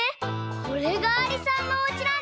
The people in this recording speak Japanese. これがありさんのおうちなんだ。